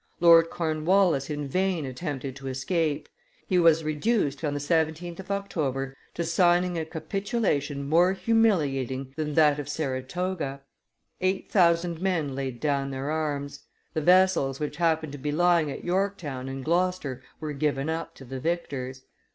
Lord Cornwallis in vain attempted to escape; he was reduced, on the 17th of October, to signing a capitulation more humiliating than that of Saratoga: eight thousand men laid down their arms, the vessels which happened to be lying at Yorktown and Gloucester were given up to the victors.